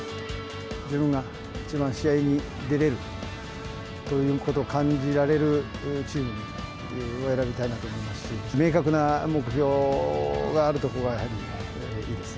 自分が一番試合に出れるということを感じられるチームを選びたいなと思いますし、明確な目標があるところが、やはりいいですね。